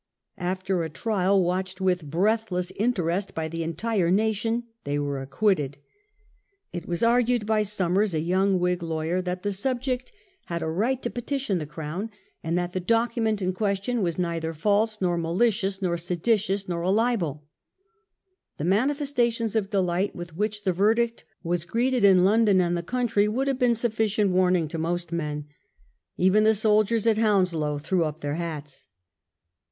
After a trial, watched with breathless interest by the entire nation, they were acquitted. It was argued by Somers, a young Whig lawyer, that the subject had a 96 THE COMING OF WILLIAM. right to petition the crown, and that the document in question was neither false, nor mahcious, nor seditious, noT a libel. The manifestations of delight with which the verdict was greeted in London and the country would have been sufficient warning to most men. Even the soldiers at Hounslow threw up their hats.